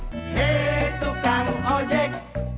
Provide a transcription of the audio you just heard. nih tukang ojek